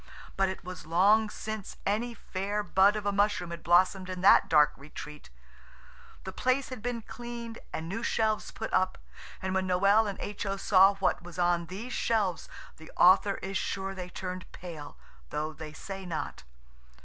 But it was long since any fair bud of a mushroom had blossomed in that dark retreat. The place had been cleaned and new shelves put up, and when Noël and H.O. saw what was on these shelves the author is sure they turned pale, though they say not.